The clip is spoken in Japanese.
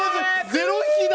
０匹だ。